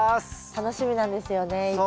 楽しみなんですよねいつも。